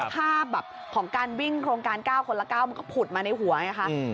ภาพแบบของการวิ่งโครงการ๙คนละ๙มันก็ผุดมาในหัวไงคะ